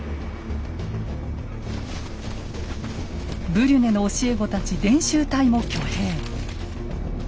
ブリュネの教え子たち伝習隊も挙兵。